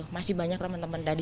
masih banyak teman teman